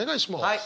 はい！